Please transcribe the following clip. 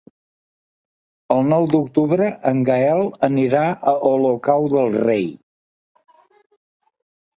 El nou d'octubre en Gaël anirà a Olocau del Rei.